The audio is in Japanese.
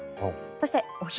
そして、お昼。